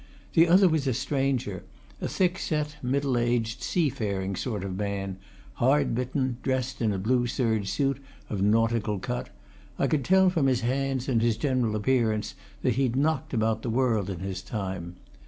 The other was a stranger, a thick set, middle aged, seafaring sort of man, hard bitten, dressed in a blue serge suit of nautical cut; I could tell from his hands and his general appearance that he'd knocked about the world in his time.